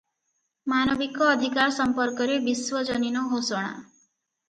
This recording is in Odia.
ମାନବିକ ଅଧିକାର ସମ୍ପର୍କରେ ବିଶ୍ୱଜନୀନ ଘୋଷଣା ।